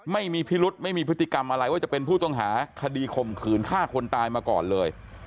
ไม่มีพิรุษไม่มีพฤติกรรมอะไรว่าจะเป็นผู้ต้องหาคดีข่มขืนฆ่าคนตายมาก่อนเลย